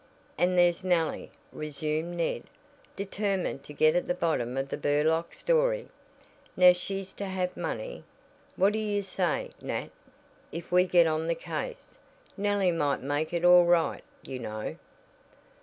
"And there's Nellie," resumed Ned, determined to get at the bottom of the Burlock story. "Now she's to have money. What do you say, Nat, if we get on the case? Nellie might make it all right, you know."